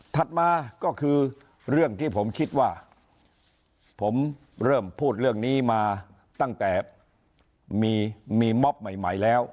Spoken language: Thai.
มาก็คือเรื่องที่ผมคิดว่าผมเริ่มพูดเรื่องนี้มาตั้งแต่มีม็อบใหม่แล้ว